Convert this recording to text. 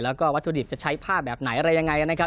แล้วก็วัตถุดิบจะใช้ผ้าแบบไหนอะไรยังไงนะครับ